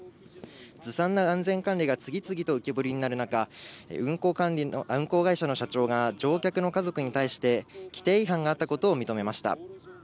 ずさんな安全管理が次々と浮き彫りになる中、運航会社の社長が乗客の家族に対して、規定違反があったことを認めました。